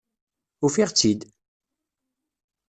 Ufiɣ-tt-id!